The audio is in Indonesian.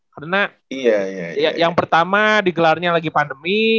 karena yang pertama digelarnya lagi pandemi